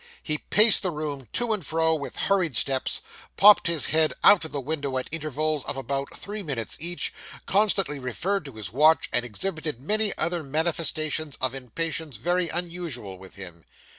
He paced the room to and fro with hurried steps, popped his head out of the window at intervals of about three minutes each, constantly referred to his watch, and exhibited many other manifestations of impatience very unusual with him.